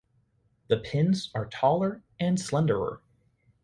The pins are taller and slenderer.